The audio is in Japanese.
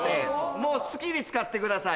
もう好きに使ってください